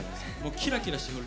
キラキラしてる。